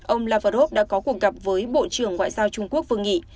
ông lavrov đã có cuộc gặp với bộ trưởng ngoại giao trung quốc vương nghị